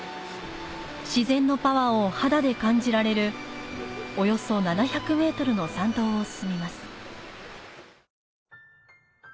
自然のパワーを肌で感じられる約７００ｍの参道を進みます。